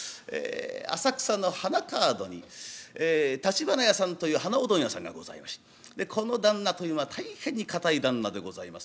浅草の花川戸に橘屋さんという鼻緒問屋さんがございましてこの旦那というのは大変に堅い旦那でございます。